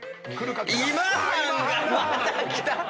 今半がまたきた！